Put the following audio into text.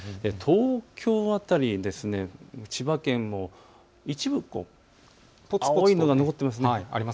東京辺り、千葉県も一部ぽつぽつと青いのが残っています。